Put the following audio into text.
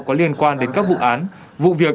có liên quan đến các vụ án vụ việc